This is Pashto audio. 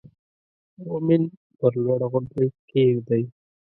مومن پر لوړه غونډۍ کېږدئ.